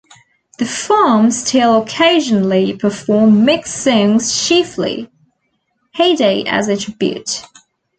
The Frames still occasionally perform Mic's songs-chiefly "Heyday"-as a tribute.